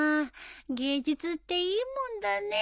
芸術っていいもんだね。